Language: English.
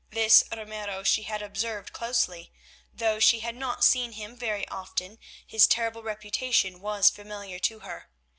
This Ramiro she had observed closely. Though she had not seen him very often his terrible reputation was familiar to her.